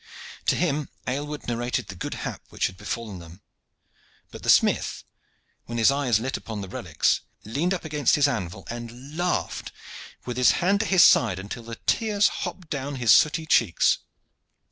To him Aylward narrated the good hap which had befallen them; but the smith, when his eyes lit upon the relics, leaned up against his anvil and laughed, with his hand to his side, until the tears hopped down his sooty cheeks.